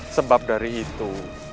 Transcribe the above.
sebab dari itu